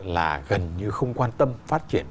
là gần như không quan tâm phát triển